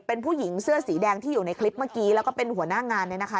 เป็นผู้หญิงเสื้อสีแดงที่อยู่ในคลิปเมื่อกี้แล้วก็เป็นหัวหน้างานเนี่ยนะคะ